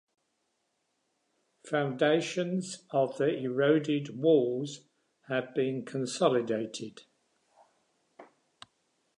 Foundations of the eroded walls have been consolidated.